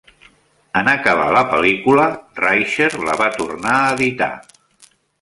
En acabar la pel·lícula, Rysher la va tornar a editar.